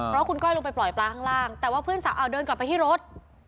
เพราะคุณก้อยลงไปปล่อยปลาข้างล่างแต่ว่าเพื่อนสาวเดินกลับไปที่รถ